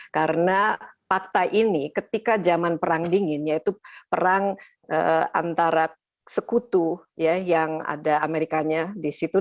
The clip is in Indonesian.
karena fakta ini ketika zaman perang dingin yaitu perang antara sekutu ya yang ada amerikanya di situ dan juga ada eropa bahasa indonesia